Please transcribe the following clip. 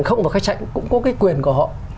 không và khách sạn cũng có cái quyền của họ